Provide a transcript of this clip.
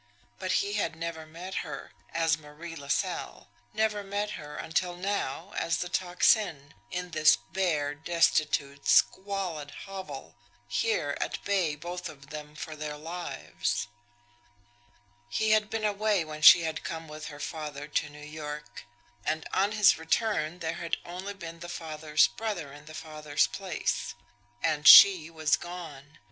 But he had never met her as Marie LaSalle; never met her until now, as the Tocsin, in this bare, destitute, squalid hovel, here at bay, both of them, for their lives. He had been away when she had come with her father to New York; and on his return there had only been the father's brother in the father's place and she was gone.